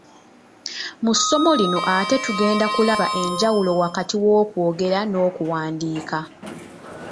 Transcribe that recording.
Mu ssomo lino ate tugenda kulaba enjawulo wakati w'okwogera n'okuwandiika.